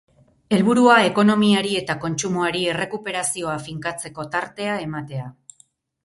Helburua, ekonomiari eta kontsumoari errekuperazioa finkatzeko tartea ematea.